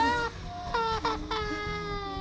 gimana menurut ma